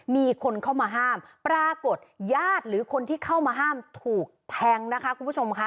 มีคนเข้ามาห้ามปรากฏญาติหรือคนที่เข้ามาห้ามถูกแทงนะคะคุณผู้ชมค่ะ